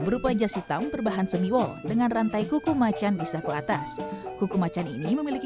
berupa jas hitam berbahan semiwall dengan rantai kuku macan bisa keatas kuku macan ini memiliki